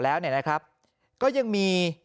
แล้วเนี่ยนะครับก็ยังมี